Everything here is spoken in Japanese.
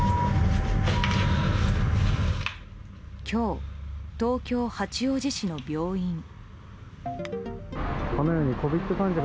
今日、東京・八王子市の病院。